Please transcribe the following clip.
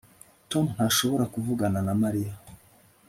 tom ntashobora kuvugana na mariya